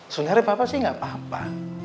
sebenernya papa sih gak apa apa